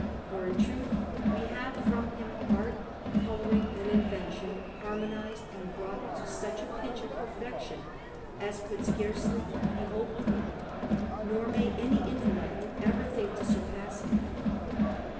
For in truth we have from him art, colouring, and invention harmonized and brought to such a pitch of perfection as could scarcely be hoped for; nor may any intellect ever think to surpass him.